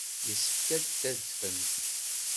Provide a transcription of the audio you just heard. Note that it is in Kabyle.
Yessefk ad d-tadfemt.